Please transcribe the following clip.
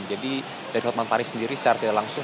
jadi dari hukuman taris sendiri secara langsung